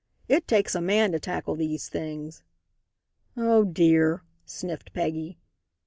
It takes a man to tackle these things " "Oh, dear!" sniffed Peggy.